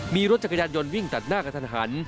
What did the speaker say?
มีรถจักรยานยนต์วิ่งตัดหน้ากระทันหัน